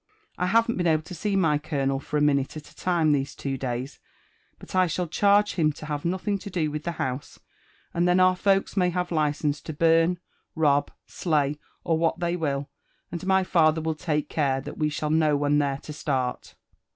I haven't been SIO LIFE AND ADVENTURES OF ,able to see my colonel for a minute at a time (bese two daya; but I shall charge him to have nothing to do with the. house, and then our folks may have license to burn, rob, slay, or what they will; aod my fallier will take care that we shall know when they're to start."